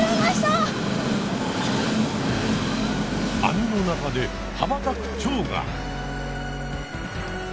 あみの中ではばたくチョウが！